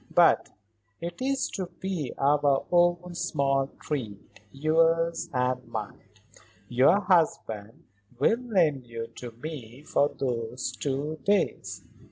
But it is to be our own small treat; yours and mine. Your husband will lend you to me for those two days."